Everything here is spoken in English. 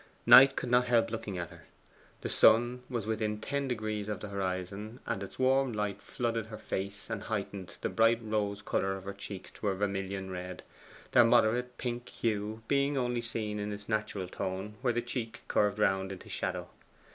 Knight could not help looking at her. The sun was within ten degrees of the horizon, and its warm light flooded her face and heightened the bright rose colour of her cheeks to a vermilion red, their moderate pink hue being only seen in its natural tone where the cheek curved round into shadow.